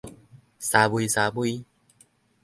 沙微沙微